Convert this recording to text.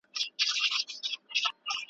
جانانه لږ ډېر لـــــیونتوب غــواړم چې نه ونکړې